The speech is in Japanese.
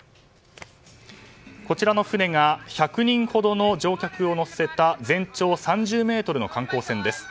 こちらの船が１００人ほどの乗客を乗せた全長３０ｍの観光船です。